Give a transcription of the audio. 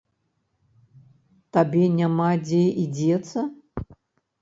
Табе няма дзе і дзецца?